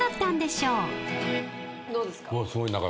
どうですか？